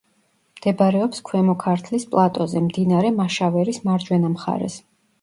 მდებარეობს ქვემო ქართლის პლატოზე, მდინარე მაშავერის მარჯვენა მხარეს.